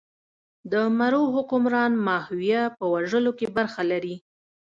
د مرو حکمران ماهویه په وژلو کې برخه لري.